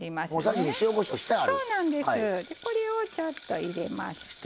でこれをちょっと入れまして。